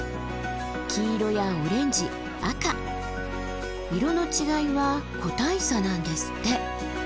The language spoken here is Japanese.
黄色やオレンジ赤色の違いは個体差なんですって。